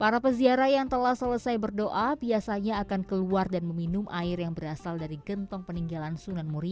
para peziarah yang telah selesai berdoa biasanya akan keluar dan meminum air yang berasal dari gentong peninggalan sunan muri